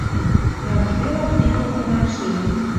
Дӓ ужделат викок тӹнӓмшен.